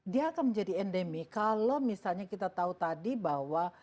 dia akan menjadi endemi kalau misalnya kita tahu tadi bahwa